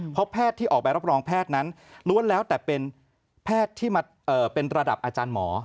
เพราะแพทย์ที่ออกไปรับรองแพทย์นั้นล้วนแล้วแต่เป็นแพทย์ที่มาเป็นระดับอาจารย์หมอ